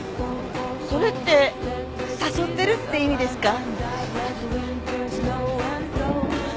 それって誘ってるって意味ですか？